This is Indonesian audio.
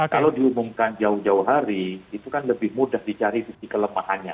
kalau diumumkan jauh jauh hari itu kan lebih mudah dicari sisi kelemahannya